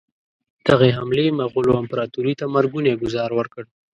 دغې حملې مغولو امپراطوري ته مرګونی ګوزار ورکړ.